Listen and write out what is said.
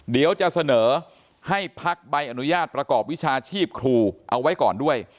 เดี๋ยวจะเสนอให้พักใบอนุญาตประกอบวิชาชีพครูเอาไว้ก่อนด้วย